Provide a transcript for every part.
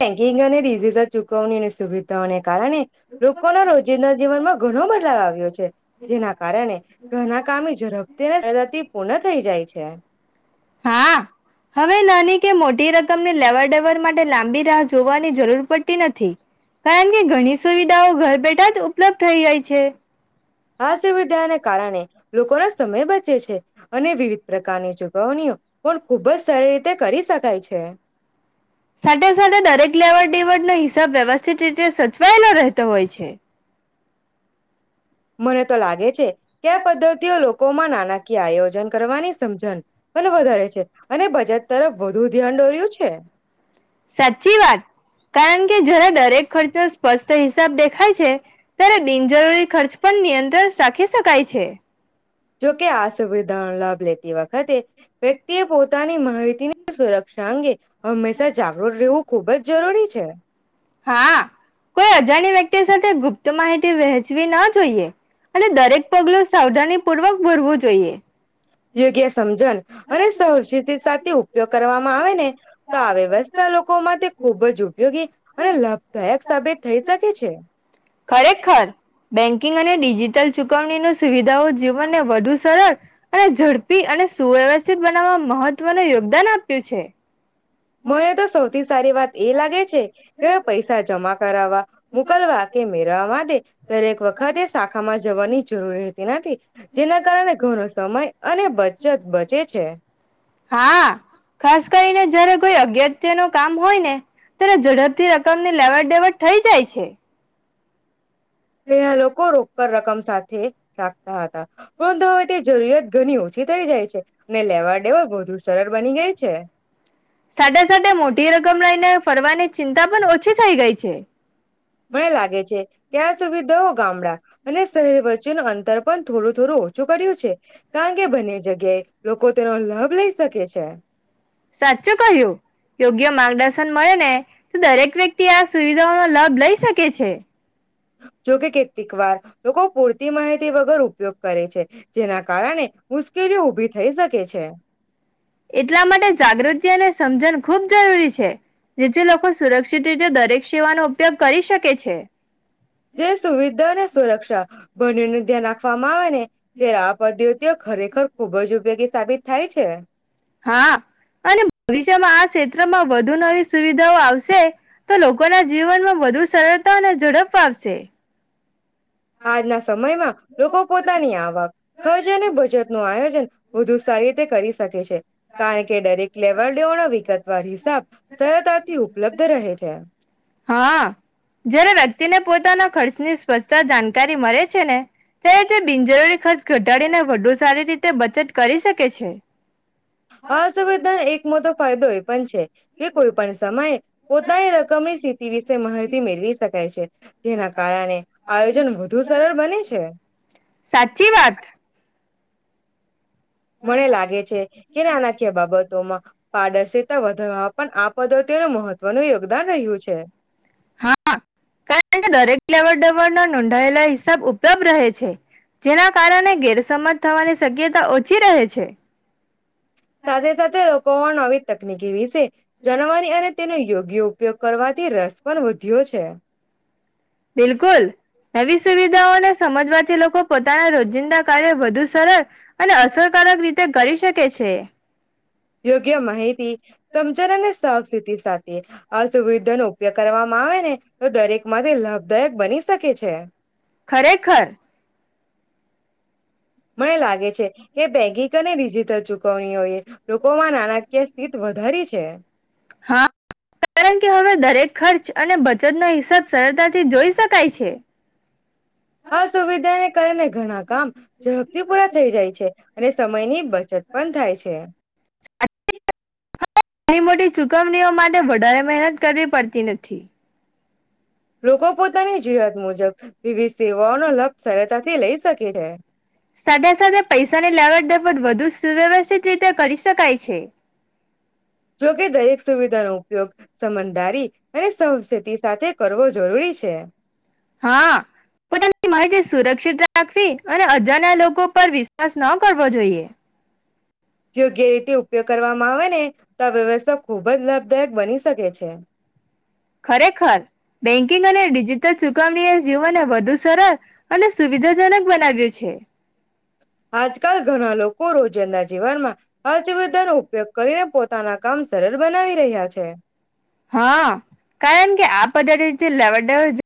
Banking અને digital ચુકવણીની સુવિધાઓને કારણે લોકોના રોજિંદા જીવનમાં ઘણો બદલાવ આવ્યો છે. જેના કારણે ઘના કામ ઝડપથીઝથી [unintelligible] પૂર્ણ થઈ જાય છે. હા હવે નાની કે મોટી રકમને લેવર ડેવર માટે લાંબી જોવાની જરૂર પડતી નથી કારણ કે ઘણી સુવિધાઓ ઘર બેઠા જ ઉપલબ્ધ થઈ જાય છે. આ સુવિધાને કારણે લોકોના સમય બચે છે. અને વિવિધ પ્રકારની જગા [unintelligible] પણ ખૂબજ સારી રીતે કરી શકાય છે. સાથે સાથે દરેક લેવડ દેવડ ના હિસાબ વ્યવસ્થિત રીતે સચવાયેલો રહેતો હોય છે. મને તો લાગે છે કે પદ્ધતિઓ લોકોમાં નાણાકીય આયોજન કરવાની સમજણ. અને વધારે છે અને બજેટ તરફ વધુ ધ્યાન દોર્યું છે. સાચી વાત. કારણ કે જ્યારે દરેક ખર્ચ સ્પષ્ટ હિસાબ દેખાય છે ત્યારે બિનજરૂરી ખર્ચ પણ નિયંત્રણ રાખી શકાય છે. જોકે આ સુવિધાઓ લાભ લેતી તે વખતે વ્યક્તિએ પોતાની માહિતીની સુરક્ષા અંગે હંમેશા જાગૃત રહેવું. ખુબ જ જરૂરી છે. હા કોઈ અજાણી વ્યક્તિ સાથે ગુપ્ત માહિતી વહેંચવી ન જોઈએ. અને દરેક પગલું સાવધાની પૂર્વક ભૂરવું જોઈએ. યોગ્ય સમજન અને સાવચેતી સાથે ઉપયોગ કરવામાં આવે ને તો આ વ્યવસ્થા લોકો માટે ખુબ જ ઉપયોગી અને લાભદાયક સાબિત થઈ શકે છે. ખરેખર બે બેન્કિંગ અને ડિજિટલ ચુકવણી સુવિધાઓ જીવનને વધુ સરળ અને ઝડપી અને સુવ્યવસ્થિત બનાવવા મહત્વનું યોગદાન આપ્યું છે. મને તો સૌથી સારી વાત એ લાગે છે, કે પૈસા જમા કરાવવા. મોકલવા કે મેરવવા માટે દરેક વખતે શાખામાં જવાની જરૂરતી નથી. જેના કારણે ઘણો સમય અને બચત બચે છે. હા, ખાસ કરીને જયારે કોઈ અગત્ય નો કામ હોય ને. ત્યારે ઝડપથી રકમ ની લેવડ દેવડ થઈ જાય છે. બે લોકો રોક કર રકમ સાથે. રાખતા હતા. પરંતુ, હવે તે જરૂરિયાત ઘણી ઓછી થઈ જાય છે. અને લેવા દેવા વધુ સરળ બની ગાય છે. સાથે સાથે મોટી રકમ લઈને ફરવાની ચિંતા પણ ઓછી થઈ ગઈ છે. મને લાગે છે કે, આ સુવિધાઓ ગામડા અને શહેર વચ્ચેનું અંતર પણ થોડું થોડું ઓછું કર્યું છે. કારણ કે બંને જગ્યાએ, લોકો તેનો લાભ લઈ શકે છે. સાચું કહ્યું યોગ્ય માર્ગદર્શન મળે ને, તો દરેક વ્યક્તિ આ સુવિધાઓ નો લાભ લઈ શકે છે. જોકે કેટલીક વાર, લોકો પૂરતી માહિતી વગર ઉપયોગ કરે છે, જેના કારણે મુશ્કેલીઓ ઉભી થઈ શકે છે. એટલા માટે જાગૃત્યને સમજણ ખૂબ જરૂરી છે. જેથી લોકો સુરક્ષિત રીતે, દરેક સેવાનો ઉપયોગ કરી શકે છે. જે સુવિધા અને સુરક્ષા બંને ને ધ્યાન રાખવામાં આવે ને. ત્યારે આ પદ્ધતિઓ ખરેખર ખુબ જ ઉપયોગી સાબિત થાય છે. હા, અને ભવિષ્યમાં આ [unintelligible] માં વધુ નવી સુવિધાઓ આવશે તો લોકોના જીવનમાં વધુ સરળતા અને ઝડપ આવશે. આજના સમયમાં લોકો પોતાની આવક, ખર્ચ અને બચતનું આયોજન વધુ સારી રીતે કરી શકે છે. કારણ કે દરેક લેવલ દેવલનો વિગતવાર હિસાબ સરતાથી ઉપલબ્ધ રહે છે. હા, જયારે વ્યક્તિને પોતાના ખર્ચની સ્વચ્છતા જાણકારી મળે છે ને ત્યારે તે બિનજરૂરી ખર્ચ ઘટ [unintelligible] વધુ સારી રીતે બચત કરી શકે છે હા સંવેધના, એક મોટો ફાયદો એ પણ છે. કે કોઈ પણ સમયે, પોતાની રકમની સ્થિતિ વિશે માહિતી મેળવી શકે [unintelligible] છે. જેના કારણે, આયોજન વધુ સરળ બને છે. સાચી વાત. મને લાગે છે કે નાણાકીય બાબતોમાં, પારદર્શીતા વધારવામાં પણ આ પદ્ધતિઓનું મહત્વનું યોગદાન રહ્યું છે. નોંધાયેલા હિસાબ ઉપલબ્ધ રહે છે, જેના કારણે ગેરસમજ થવાની શક્યતા ઓ છી રહે છે. સાથે-સાથે લોકોમાં નવી તકનીકી એવી છે. જાણવાની અને તેનો યોગ યોગ્ય ઉપયોગ કરવાથી રસ પણ વધ્યો છે. બિલકુલ નવી સુવિધાઓને સમજવાથી લોકો પોત તાના રોજિંદા કાર્ય વધુ સરળ અને અસરકારક રીતે કરી શકે છે. યોગ્ય માહિતી સમજણ અને સાવચેતી સાથે એ અસુુવિધાનો ઉપયોગ કરવામાં આવે ને તો દરેક માટે લાભદાયક બની શકે છે. ખરેખર મને લાગે છે કે બેૈગીક અને ડિજિટલ ચુકવણીઓ એ લોકોમાં નાણાકીય સ્થિત વધારી છે. હા કારણ કે હવે દરેક ખર્ચ અને બચતનો હિસાબ સરળતાથી જોઈ શકાય છે. આ સુવિધાને કારણે ઘણાક કામ ઝડપથી પૂરા થઈ જાય છે અને સમયની બચત પણ થાય છે. ઘની મોટી ચુકવણીઓ માટે વધારે મહેનત કરવી પડતી નથી. લોકો પોતાની જરૂરિયાત મુજબ વિવિધ સેવાઓનો લાભ સરળતાથી લઈ શકે છે. સાથે સાથે પૈસાની લેવડ [unintelligible] રીતે કરી શકાય છે. જોકે દરેક સુવિધાનો ઉપયોગ સમજદારી અને સાવચેતી સાથે કરવો જરૂરી છે. હા પોતાની માહિતી સુરક્ષિત રાખવી અને અજાણ્યા લોકો પર વિશ્વાસ ન કરવો જોઈએ. યોગ્ય રીતે ઉપયોગ કરવામાં આવે ને તો આ વ્યવસ્થા ખૂબ જ લાભદાયક બની શકે છે. ખરેખર, બેંકિંગ અને ડિજિટલ ચુ કામણી એ જીવનને વધુ સરળ અને સુવિધાજનક બનાવ્યું છે. આજકાલ ઘણા લોકો રોજંદા જીવનમાં અસુવિધાનો ઉપયોગ કરી પોતાના કામ સરળ બનાવી રહ્યા છે. લેવડ દેવડ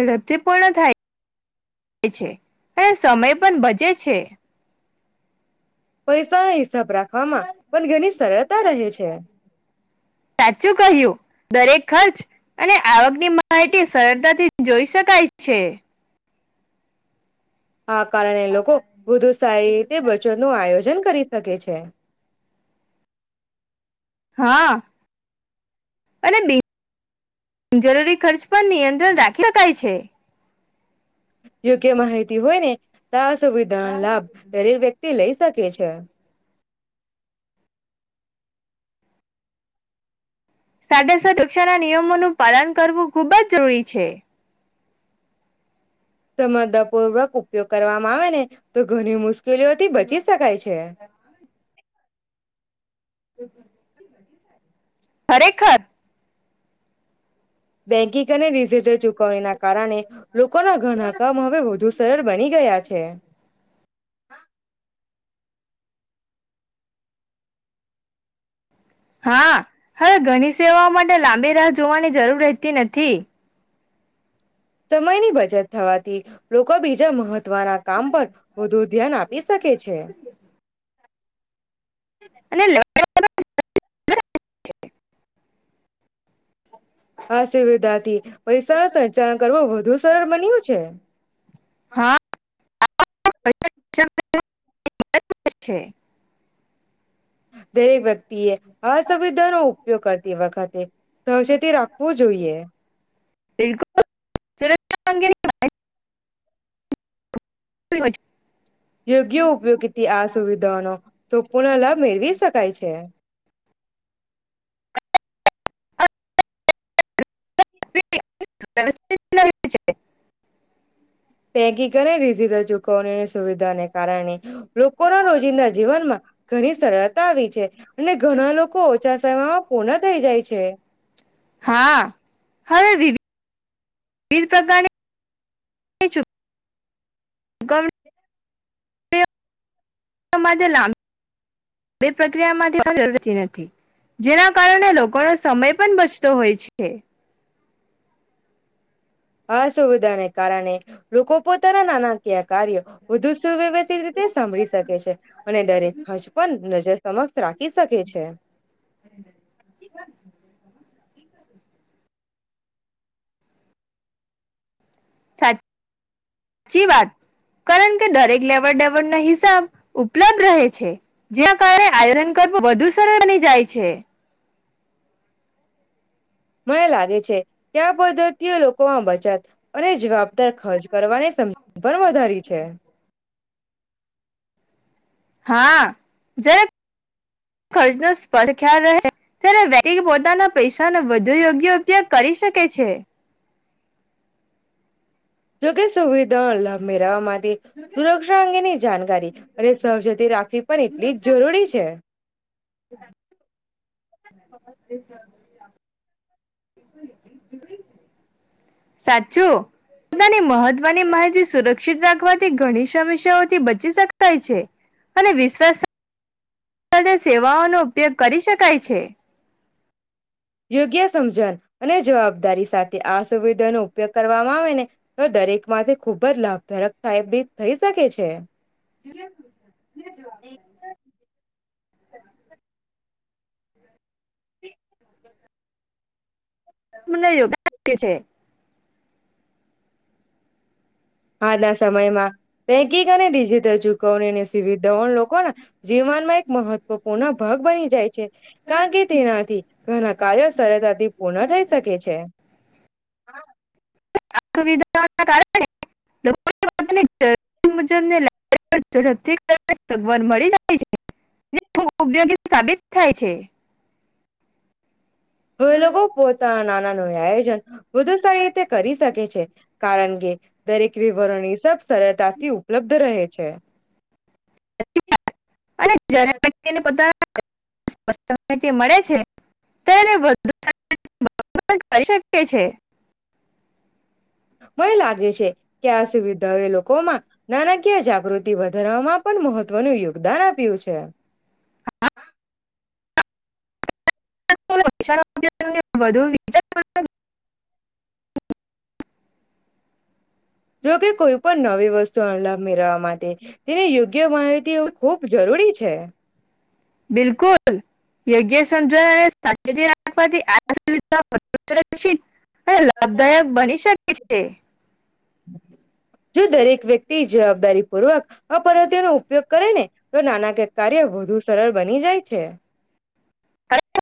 ઝડપથી પુર્ણ થાય છે અને સમય પણ બચે છે. પૈસા એ રહે છે. સાચું કહ્યું. દરેક ખર્ચ અને આવકની માહિતી સરળતાથી જોઈ શકાય છે. આ કારણે લોકો વધુ સારી રીતે બચત નું આયોજન કરી શકે તે હા અને બિન જરૂરી ખર્ચ પર નિયંત્રણ રાખી શકાય છે. યોગ્ય માહિતી હોય ને તો સુવિધાઓનો લાભ દરેક વ્યક્તિ લઈ શકે છે. સાથે-સાથ ઉક્ષાના નિયમોનું પાલન કરવું ખુબ જ જરૂરી છે. સમજતાપુર્વક ઉપયોગ કરવામાં આવે ને તો ઘણી મુસ કેલીઓથી બચી શકાય છે. ખરેખર. બેંકિંગ અને ડીઝીડલ ચુકવણીના કારણે લોકોના ઘણા કામ હવે વધુ સરળ બની ગયા છે. હા હવે ઘણી સેવાઓ માટે લાંબી રાહ જોવાની જરૂર રહેતી નથી. સમયની બચત થવાથી લોકો બીજા મહત્વના કામ પર વધુ ધ્યાન આપી શકે છે. અનેલ [unintelligible] આ સુવિધાથી [unintelligible] સરળ સંચાલન કરવું વધુ સરળ બન્યું છે. હા [unintelligible] દરેક વ્યક્તિએ અસુવિધાનો ઉપયોગ કરતી વખતે સાવચેતી રાખવો જોઈએ. સુરક્ષા અંગે [inaudible] યોગ્ય ઉપયોગથી [unintelligible] આ સુવિધાઓનો સંપૂર્ણ લાભ મેળવી શકાય છે. છે [inaudible] પૈકિક અને રિઝધલ [unintelligible] ચુકવણીની સુવિધાને કારણે લોકોના રોજિંદા જીવનમાં ઘણી સરળતા આવી છે અને ઘણા લોકો ઓછા સમયમાં પૂર્ણ થઈ જાય છે. હા, હવે દીદી [inaudible] વિવિધ પ્રકારની [inaudible] ગર્વ [inaudible] [inaudible] બે પ્રક્રિયામાંથી જરૂરતી નથી [unintelligible] જેના કારણે લોકોનો સમય પણ બચતો હોય છે. આ સુવિધાને કારણે લોકો પોતાના નાણાકીય કાર્યો વધુ સુવ્યવા રીતે સાંભળી શકે છે અને દરેક ખર્ચ પણ નજર સમક્ષ રા [inaudible] ક સકેે છે [unintelligible] સાચી [unintelligible] વાત કારણ કે દરેક લેવડ દેવડનો હિસાબ ઉપલબ્ધ રહે છે જ્યાં કારણે આયરન કરવું વધુ સરળ બની જાય છે. મને લાગે છે ક્યા પદ્ધતિઓ લોકોમાં બચત અને જવાબ [unintelligible] અર ખર્ચ કરવાની પણ વધારી છે [unintelligible] હા જ્યારે ખર્ચ ન સ્પષ્ટ ખ્યાલ રહે ત્યારે વ્યક્તિ [unintelligible] પોતાના પૈસાનો વધુ યોગ્ય ઉપયોગ કરી શકે છે જો કે સુવિધા લાભ મેરાવવા માટે [unintelligible] સુરક્ષા અંગેની [unintelligible] જાણકારી અને સવજતી રાખવી પણ એટલી જ જરૂરી છે. [inaudible] સાચું. પોતાની મહત્વની માહિતી સુર ક્ષિત રાખવાથી ઘણી સમસ્યાઓથી બચી શકાય છે અને વિશ્વાસ સાથે સેવાઓનો ઉપયોગ કરી શકાય છે. યોગ્ય સમજણ અને જવાબદારી સાથે આ સુવિધાનો ઉપયોગ કરવામાં આવે ને તો દરેક માંથી ખુબ જ લાભદાયક થી [unintelligible] શકે છે. [inaudible] [inaudible] હ. ને યોગદાન આપે છે. હજના સમયમાં ટૈકિક અને ડિજિટલ ચુકવણીની સુવિધાઓણ લોકોના જીવનમાં એક મહત્વપૂર્ણ ભાગ બની જાય છે કારણ કે તેનાથી ઘણા કાર્યો સરતાથી પૂર્ણ થઈ શકે છે. હા. [unintelligible] ધાબ ડથી સગવ મળી જાય છે ઉપયોગી સાબિત થાય છે. હવે લોકો પોતાના નાનાનું આયોજન વધુ સારી રીતે કરી શકે છે કારણ કે દરેક વિવરણની સબ સરળતાથી ઉપલબ્ધ રહે છે. અને જ્યારે વ્યક્તિને [inaudible] મળે છે તેને વ [inaudible] કરી શકે છે. મને લાગે છે કે આ સુવિધાઓએ લોકોમાં નાણાકીય જાગૃતિ વધારવામાં પણ મહત્વનું યોગદાન આપ્યું છે. વિ [inaudible] વધુ વિજ માત્ર જોકે કોઈ પણ નવી વસ્તુ અનલાભ મેળવવા માટે તેને યોગ્ય માહતી ખૂબ જરૂરી છે. બિલકુલ. યોગ્ય સમજ રાખવાથી [unintelligible] હ લાભદાયક બની શકે છે. જો દરેક વ્યક્તિ જવાબદારી, પૂર્વક અપદ્ધતિનો ઉપયોગ કરે ને તો નાના કક કાર્ય વધુ સરળ બની જાય છે.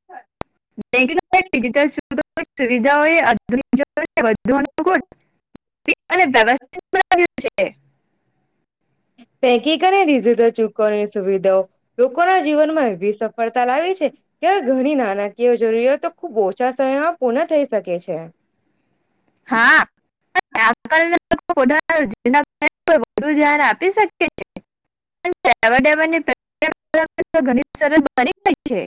હા. [unintelligible] [unintelligible] ડિજિટલ સુવિધા હોય [unintelligible] અને વ્યવસ્થિત [unintelligible] છે. પેક અને ડીઝિટલ ચૂકવવાની સુવિધાઓ. લોકોના જીવનમાં એવી સફળતા લાવી છે, કે હવે ઘણી નાણાકીય જરૂરિયાતો ખૂબ ઓછા સમયમાં પૂર્ણ થઈ શકે છે. યાન આપી શકે છેે. [unintelligible] [unintelligible] ઘણીત સરસ ગઈ છે.